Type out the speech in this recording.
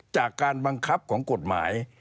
จากการบังคับของกฎหมาย